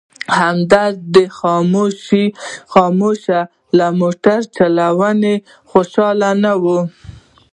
همدرد د خاموش له موټر چلونې خوشحاله نه و.